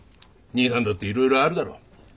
兄さんだっていろいろあるだろ。